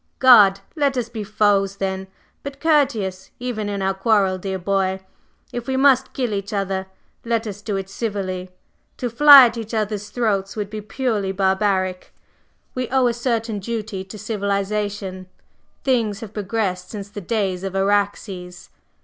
"Good! Let us be foes then, but courteous, even in our quarrel, dear boy. If we must kill each other, let us do it civilly. To fly at each other's throats would be purely barbaric. We owe a certain duty to civilization; things have progressed since the days of Araxes."